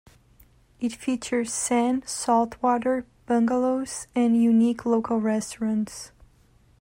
It features sand, saltwater, bungalows, and unique local restaurants.